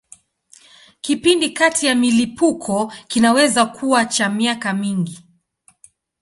Kipindi kati ya milipuko kinaweza kuwa cha miaka mingi.